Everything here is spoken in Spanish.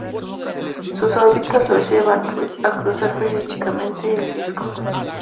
Sus órbitas los llevan, pues, a cruzar periódicamente el disco.